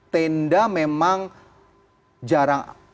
tenda memang jarang